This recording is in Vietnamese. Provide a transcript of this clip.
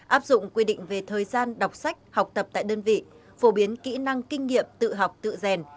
áp dụng quy định về thời gian đọc sách học tập tại đơn vị phổ biến kỹ năng kinh nghiệm tự học tự rèn